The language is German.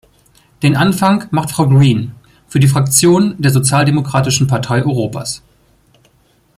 Den Anfang macht Frau Green für die Fraktion der Sozialdemokratischen Partei Europas.